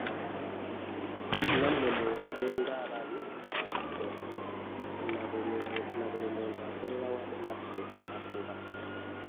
Nammwe muwulirenga abali ng'abo, na buli muntu akolera awamu naffe afuba.